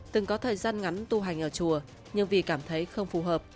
từng có thời gian ngắn tu hành ở chùa nhưng vì cảm thấy không phù hợp